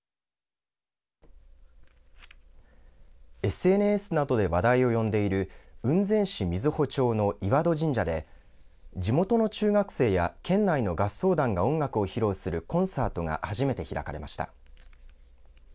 ＳＮＳなどで話題を呼んでいる雲仙市瑞穂町の岩戸神社で地元の中学生や県内の合奏団が音楽を披露するコンサートが初めて開かれました。